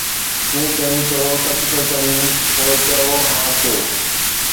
تون چوين ٿو، ’سچ ٿو چوين‘، پوءِ چئو، ’ها، ڇو؟